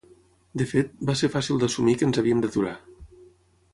De fet, va ser fàcil d’assumir que ens havíem d’aturar.